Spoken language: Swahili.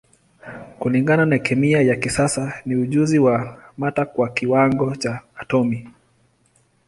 Kulingana na kemia ya kisasa ni ujenzi wa mata kwa kiwango cha atomi.